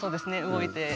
動いて。